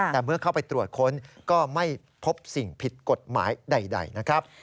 แต่เมื่อเข้าไปตรวจค้นก็ไม่พบสิ่งผิดกฎหมายใดนะครับ